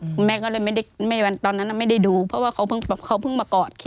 แม่ก็เลยไม่ได้วันนั้นไม่ได้ดูเพราะว่าเขาเพิ่งมากอด